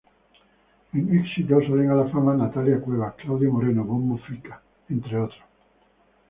En "Éxito", salen a la fama Natalia Cuevas, Claudio Moreno, Bombo Fica, entre otros.